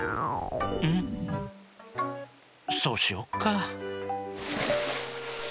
そうしよっか。